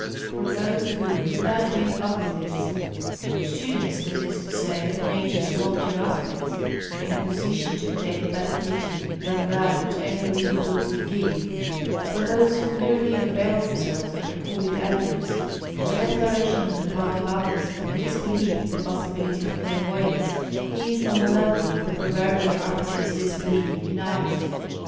For those who, without being occultists students that is to say of Nature's loftier aspects, in a position to obtain better teaching than that which any written books can give for those who merely avail themselves of recorded evidence, a declaration on the part of others of a disbelief in the possibility of clairvoyance, is on a level with the proverbial African's disbelief in ice.